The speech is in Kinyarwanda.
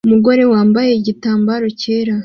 Umugore yambaye igitambaro cyera